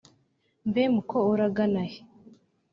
mbe mukobwa uragana he?